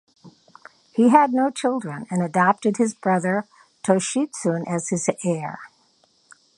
He had no children and adopted his brother Toshitsune as his heir.